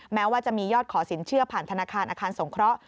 แม้ว่าจะมียอดขอสินเชื่อผ่านธนาคารอาคารสงเคราะห